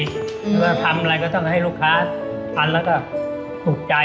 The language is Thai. หรือว่าทำอะไรก็ต้องให้ลูกค้าทานแล้วก็ถูกใจ